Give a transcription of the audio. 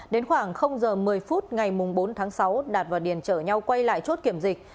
đến khoảng giờ một mươi phút ngày bốn tháng sáu đạt và điền chở nhau quay lại chốt kiểm dịch